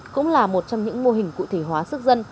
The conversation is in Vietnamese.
cũng là một trong những mô hình cụ thể hóa sức dân